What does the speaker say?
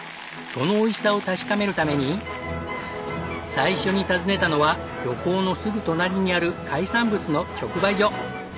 そのおいしさを確かめるために最初に訪ねたのは漁港のすぐ隣にある海産物の直売所。